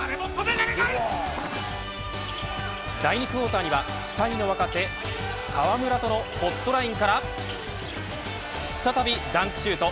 第２クオーターには期待の若手河村とのホットラインから再びダンクシュート。